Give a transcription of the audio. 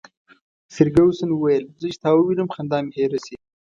فرګوسن وویل: زه چي تا ووینم، خندا مي هېره شي.